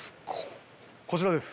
こちらです。